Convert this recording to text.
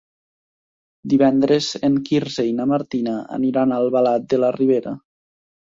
Divendres en Quirze i na Martina aniran a Albalat de la Ribera.